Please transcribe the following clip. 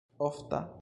ofta